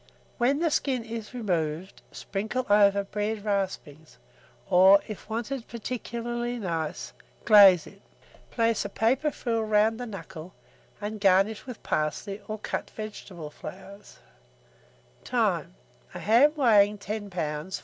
When the skin is removed, sprinkle over bread raspings, or, if wanted particularly nice, glaze it. Place a paper frill round the knuckle, and garnish with parsley or cut vegetable flowers. (See Coloured Plate P.) Time. A ham weighing 10 lbs.